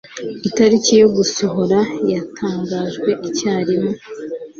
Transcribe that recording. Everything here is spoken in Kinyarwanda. itariki yo gusohora yatangajwe icyarimwe